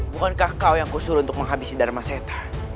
bukankah kau yang kusur untuk menghabisi dharma setha